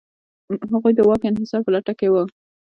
هغوی د واک انحصار په لټه کې و.